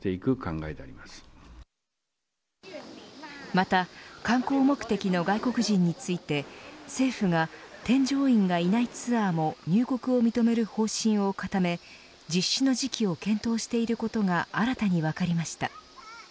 また観光目的の外国人について政府が添乗員がいないツアーも入国を認める方針を固め実施の時期を検討していることが新たに分かりました。